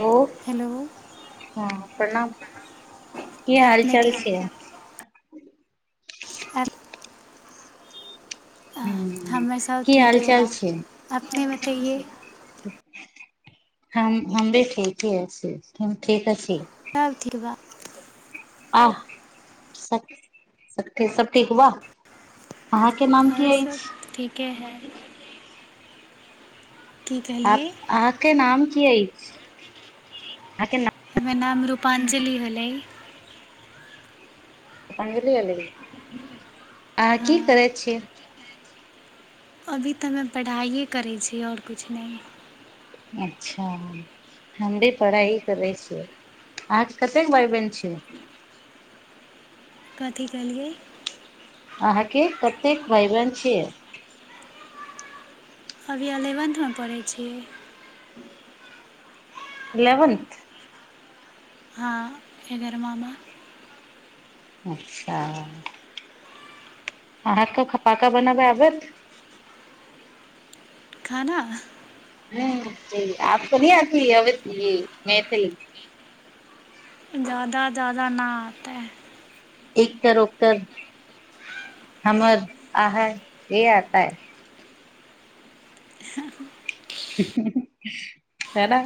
hello हँ प्रणाम की हाल अपनेके चाल छै [unintelligible] हूँ हमे सभ की हाल ठीके बा चाल छै अपनेमे तऽ ईै हम हम भी ठीक ह छी हम ठीक अ छी अथिवा आ सब ठीक बा अहाँ के नाम की अछि के है की आ कहलियै अहाँ के नाम की अइ आ के ओर नाम रूपाञ्जलि होलै रुपञ्जलि हलइ अहाँ हँ की करै छीयै अभी तऽ ह पढ़ाइए करै छी आओर किछु नहि अच्छा हम भी पढ़ाइ करै छियै अहाँके कतेक भााय बन छ कथि केलियै अहाँके कतेक भाई बहन छिय अभी एलेवेन्थमे पढ़ै छीय एलेवेंथ हँ एगर मामा अचछा अहाँके फ पाका बनाबै आबत खाना हुँ आपको नहीं आती है ऐसी ज्यादा ज्याददा न आता है एकतर उककरर हमर आह ये आता है है ना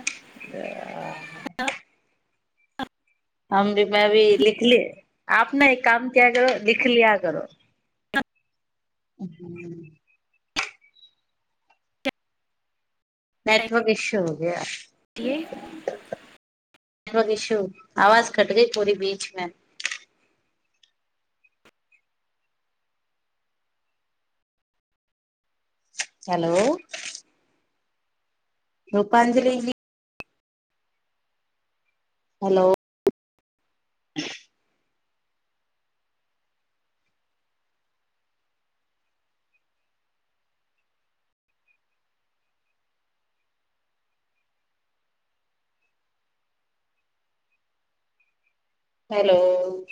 हम भी मे भी लिख लिय आप ने एक काम किया करो लिख लिया करो ह नेटवर्क इस्यु हो गया कियए नेटवर्क इश्यू आवाज कट गई पूरी बीचमें hello Rupanjali ji hello hello